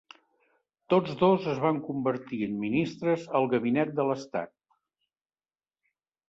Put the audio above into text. Tots dos es van convertir en ministres al gabinet de l'estat.